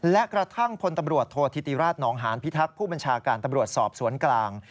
และกระทั่งพลตำรวจโทษธิติราชนองหานพิทักษ์ผู้บัญชาการตำรวจสอบสวนกลาง